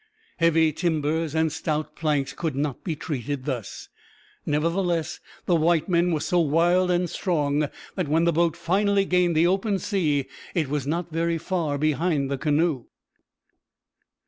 Heavy timbers and stout planks could not be treated thus; nevertheless, the white men were so wild and strong, that when the boat finally gained the open sea it was not very far behind the canoe.